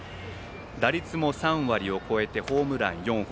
打率も３割を超えてホームランを４本。